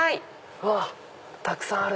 うわったくさんある！